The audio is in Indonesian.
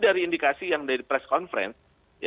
dari indikasi yang dari press conference